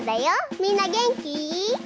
みんなげんき？